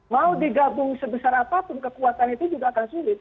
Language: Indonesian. mau digabung sebesar apapun kekuatan itu juga akan sulit